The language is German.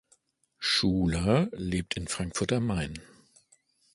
Schuler lebt in Frankfurt am Main.